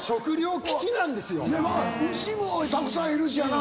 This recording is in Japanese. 牛もたくさんいるしやな。